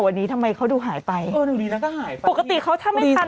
อันนี้ทำไมเขาดูหายไปเออดูดีแล้วก็หายปกติเขาถ้าไม่ตาย